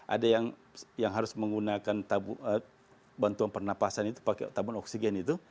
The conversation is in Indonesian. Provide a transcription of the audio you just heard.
ada yang harus menggunakan bantuan pernapasan itu pakai tabung oksigen itu